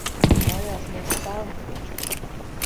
Kājās mēs stāvam taču.